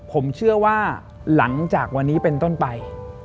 ผมเชื่อว่าหลังจากวันนี้เป็นต้นไป